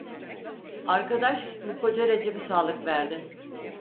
Arkadaş bu Koca Recep'i salık verdi.